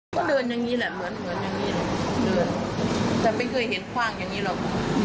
ก็เดินอย่างงี้แหละเหมือนอย่างงี้แต่ไม่เคยเห็นขว้างอย่างงี้หรอก